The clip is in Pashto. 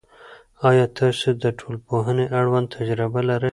آیا تاسو د ټولنپوهنې اړوند تجربه لرئ؟